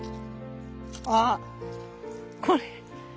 あっこれ。